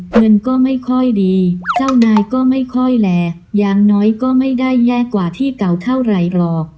เงินก็ไม่ค่อยดีเจ้านายก็ไม่ค่อยแหล่อย่างน้อยก็ไม่ได้แย่กว่าที่เก่าเท่าไหร่หรอก